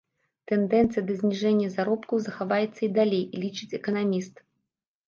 Тэндэнцыя да зніжэння заробкаў захаваецца і далей, лічыць эканаміст.